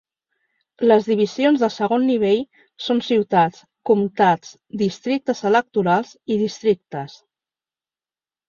Les divisions de segon nivell són ciutats, comtats, districtes electorals i districtes.